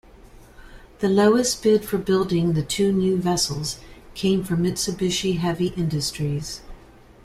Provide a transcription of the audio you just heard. The lowest bid for building the two new vessels came from Mitsubishi Heavy Industries.